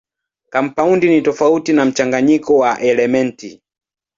Kampaundi ni tofauti na mchanganyiko wa elementi.